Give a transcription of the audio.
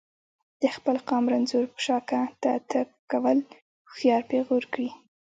د خپل قام رنځور په شاکه ته ته کوم هوښیار پیغور کړي.